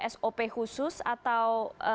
sop khusus atau